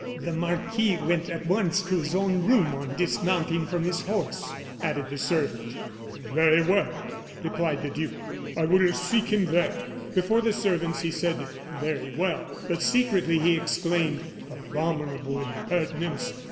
"The marquis went at once to his own room on dismounting from his horse," added the servant. "Very well," replied the duke. "I will seek him there." Before the servants he said, "Very well;" but secretly, he exclaimed: "Abominable impertinence!